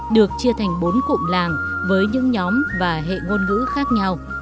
được chia thành bốn cụm làng với những nhóm và hệ ngôn ngữ khác nhau